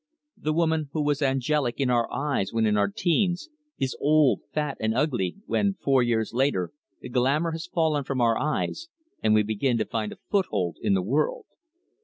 The woman who was angelic in our eyes when in our teens, is old, fat and ugly when, four years later, the glamour has fallen from our eyes and we begin to find a foothold in the world.